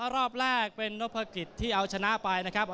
รอบแรกเป็นนพกิจที่เอาชนะไปนะครับ